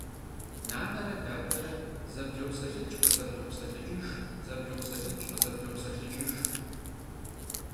Нанэрэ дадэрэ зэблопсэлъыкӏ – къызэблопсэлъыкӏыж, зэблопсэлъыкӏ – къызэблопсэлъыкӏыж.